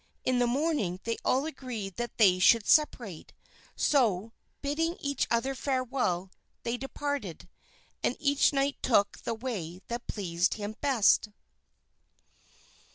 In the morning they all agreed that they should separate; so, bidding each other farewell, they departed, and each knight took the way that pleased him best.